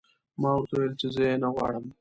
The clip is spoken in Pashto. ما ورته وویل چې زه یې نه غواړم